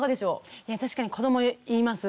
いや確かに子ども言います。